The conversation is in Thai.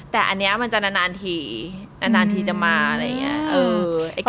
แต่อันเนี้ยมันจะนานนานทีนานนานทีจะมาอะไรอย่างเงี้ยเออ